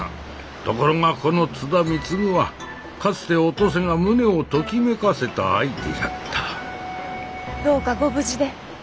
ところがこの津田貢はかつてお登勢が胸をときめかせた相手じゃったどうかご無事で。